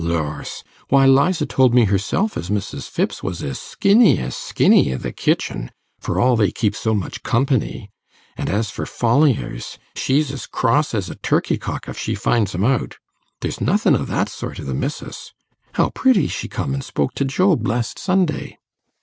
Lors! why, Liza told me herself as Mrs. Phipps was as skinny as skinny i' the kitchen, for all they keep so much company; and as for follyers, she's as cross as a turkey cock if she finds 'em out. There's nothin' o' that sort i' the missis. How pretty she come an' spoke to Job last Sunday!